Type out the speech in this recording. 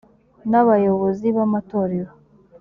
n abayobozi b amatorero